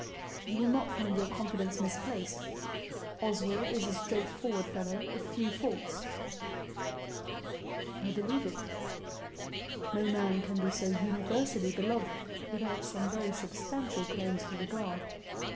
"You will not find your confidence misplaced. Oswald is a straightforward fellow, of few faults." "I believe it. No man can be so universally beloved without some very substantial claims to regard.